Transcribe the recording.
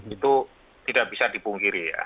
itu tidak bisa dipungkiri ya